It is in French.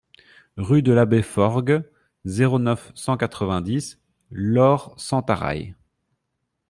Rue de l'Abbé Forgues, zéro neuf, cent quatre-vingt-dix Lorp-Sentaraille